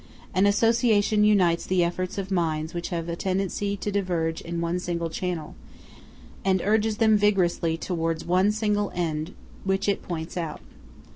An association unites the efforts of minds which have a tendency to diverge in one single channel, and urges them vigorously towards one single end which it points out.